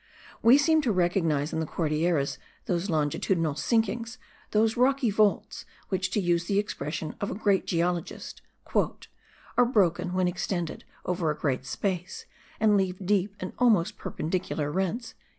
We seem to recognize in the Cordilleras those longitudinal sinkings, those rocky vaults, which, to use the expression of a great geologist,* "are broken when extended over a great space, and leave deep and almost perpendicular rents."